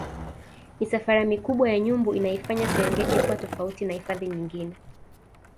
misafara mikubwa ya nyumbu inaifanya serengeti kuwa tofauti na hifadhi nyingine